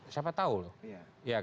siapa tahu loh